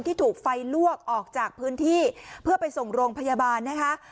ที่ถูกไฟลวกออกจากพื้นที่เพื่อไปส่งโรงพยาบาลนะคะ